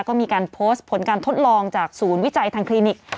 ก็มีการโพสต์ผลการทดลองจากศูนย์วิจัยทางคลินิก